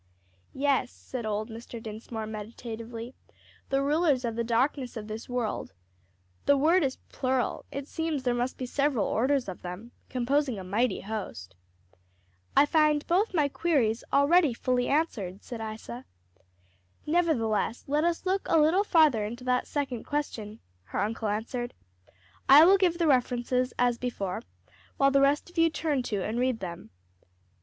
'" "Yes," said old Mr. Dinsmore, meditatively, "'the rulers of the darkness of this world,' the word is plural: it seems there must be several orders of them, composing a mighty host." "I find both my queries already fully answered," said Isa. "Nevertheless, let us look a little farther into that second question," her uncle answered. "I will give the references as before, while the rest of you turn to and read them."